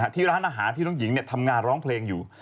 ที่ร้านอาหารที่น้องหญิงทำงานร้องเพลงอยู่